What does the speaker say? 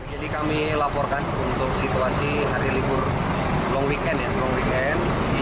jadi kami laporkan untuk situasi hari libur long weekend ya